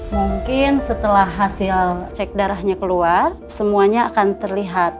mungkin setelah hasil cek darahnya keluar semuanya akan terlihat